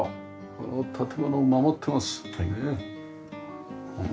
この建物を守ってます。